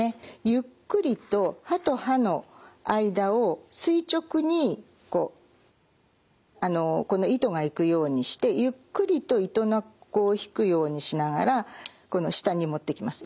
ゆっくりと歯と歯の間を垂直に糸が行くようにしてゆっくりと糸のこを引くようにしながらこの下に持ってきます。